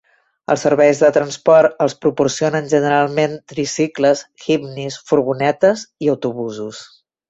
Els serveis de transport els proporcionen generalment tricicles, jipnis, furgonetes i autobusos,